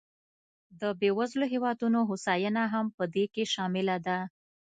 د بېوزلو هېوادونو هوساینه هم په دې کې شامله ده.